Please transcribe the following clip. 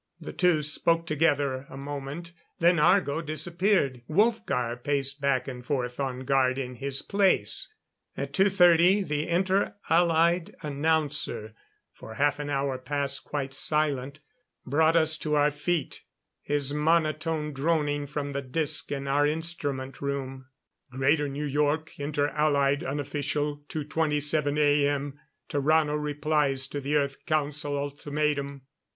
The two spoke together a moment; then Argo disappeared; Wolfgar paced back and forth on guard in his place. At 2:30 the Inter Allied announcer for half an hour past quite silent brought us to our feet, his monotone droning from the disc in our instrument room: _"Greater New York, Inter Allied Unofficial 2:27 A. M. Tarrano replies to the Earth Council Ultimatum...."